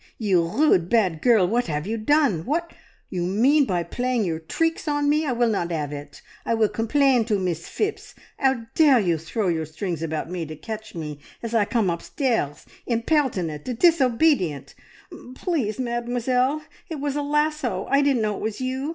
You rude, bad girl! What 'ave you done? What you mean playing your treecks on me? I will not 'ave it. I will complain to Miss Phipps. How dare you throw your strings about to catch me as I come upstairs! Impertinent! Disobedient!" "P please, Mademoiselle, it was a lasso! I didn't know it was you.